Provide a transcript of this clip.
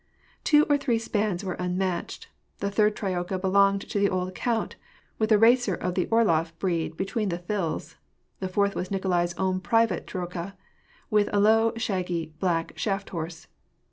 Two of the three spans were unmatched ; the third troika belonged to the old count, with a racer of the Orlof breed be tween the thills; the fourth was Nikolai's own private troika with a low, shaggy, black shaft horse.